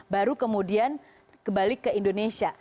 baru kemudian kembali ke indonesia